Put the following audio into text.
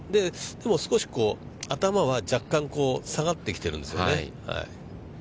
でも、少し頭は若干、下がってきてるんですよね。